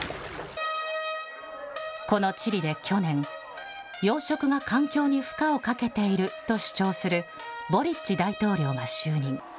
このチリで去年、養殖が環境に負荷をかけていると主張するボリッチ大統領が就任。